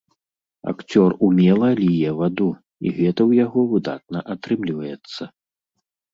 Акцёр умела ліе ваду, і гэта ў яго выдатна атрымліваецца.